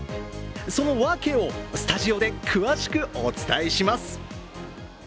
そのワケを、スタジオで詳しくお伝えします。